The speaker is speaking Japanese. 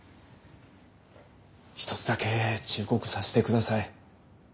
一つだけ忠告させて下さい。